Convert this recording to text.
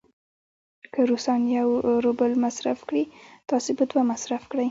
که روسان یو روبل مصرف کړي، تاسې به دوه مصرف کړئ.